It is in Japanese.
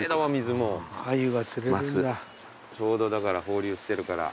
ちょうどだから放流してるから。